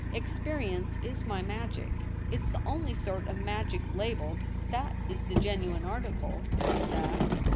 Experience is my magic. It's the only sort of magic labelled *' that is the genuine article," mind that.